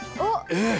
えっ！？